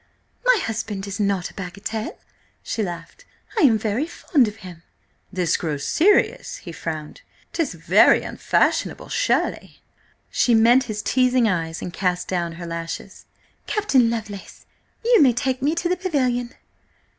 "My husband is not a bagatelle!" she laughed. "I am very fond of him." "This grows serious," he frowned. "'Tis very unfashionable, surely?" She met his teasing eyes and cast down her lashes. "Captain Lovelace, you may take me to the Pavilion."